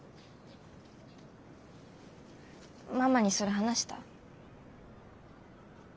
ママにそれ話した？